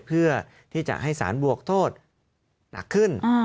เพื่อที่จะให้สารบวกโทษหนักขึ้น